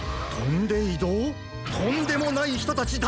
とんでもないひとたちだ！